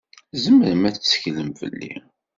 Tzemrem ad tetteklem fell-i.